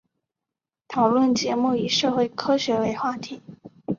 讨论节目以社会科学为话题。